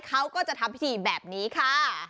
เขาก็จะทำพิธีแบบนี้ค่ะ